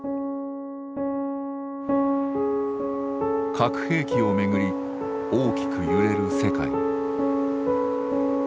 核兵器をめぐり大きく揺れる世界。